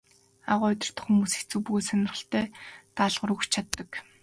Аугаа удирдах хүмүүс хэцүү бөгөөд сонирхолтой даалгавар өгч чаддаг.